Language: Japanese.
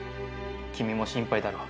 君も心配だろう。